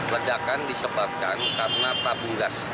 ledakan disebabkan karena tabung gas